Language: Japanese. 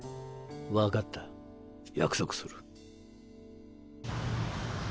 分かった約束する。